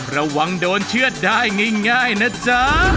ระวังโดนเชื่อดได้ง่ายนะจ๊ะ